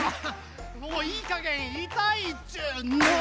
もういいかげんいたいっちゅうの！